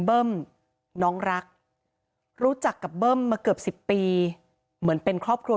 เบิ้มน้องรักรู้จักกับเบิ้มมาเกือบ๑๐ปีเหมือนเป็นครอบครัว